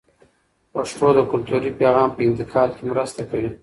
پښتو د کلتوري پیغام په انتقال کې مرسته کوي.